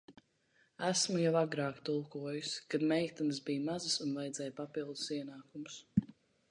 Esmu jau agrāk tulkojusi, kad meitenes bija mazas un vajadzēja papildu ienākumus.